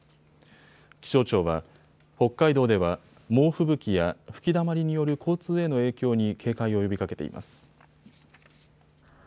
気象庁は北海道では猛吹雪や吹きだまりによる交通への影響に警戒を呼びかけています。